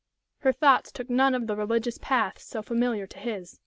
Her thoughts took none of the religious paths so familiar to his.